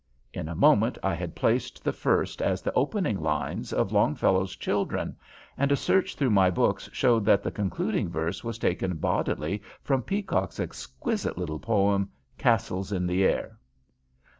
In a moment I had placed the first as the opening lines of Longfellow's "Children," and a search through my books showed that the concluding verse was taken bodily from Peacock's exquisite little poem "Castles in the Air."